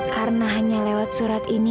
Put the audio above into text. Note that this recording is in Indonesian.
karena hanya lewat surat ini